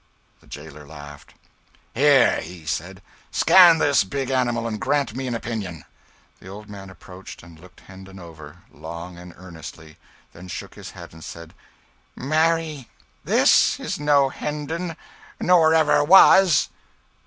The jailer laughed. "Here," he said; "scan this big animal, and grant me an opinion." The old man approached, and looked Hendon over, long and earnestly, then shook his head and said "Marry, this is no Hendon nor ever was!"